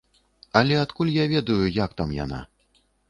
Але адкуль я ведаю, як там яна?